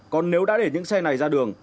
còn nếu đã để những xe này ra đường